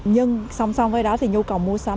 nhưng song song với đó thì nhu cầu mua sắm